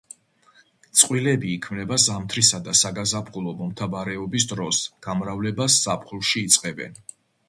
წყვილები იქმნება ზამთრის და საგაზაფხულო მომთაბარეობის დროს, გამრავლებას ზაფხულში იწყებენ.